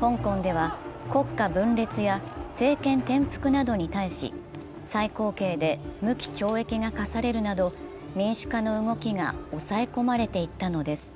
香港では、国家分裂や政権転覆などに対し、最高刑で無期懲役が科されるなど民主化の動きが抑え込まれていったのです。